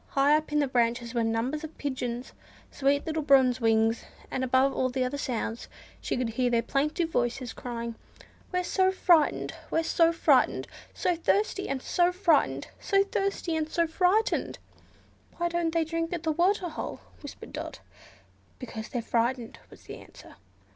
High up in the branches were numbers of pigeons—sweet little Bronze Wings; and above all the other sounds she could hear their plaintive voices crying, "We're so frightened! we're so frightened! so thirsty and so frightened! so thirsty and so frightened!" "Why don't they drink at the waterhole?" whispered Dot. "Because they're frightened," was the answer.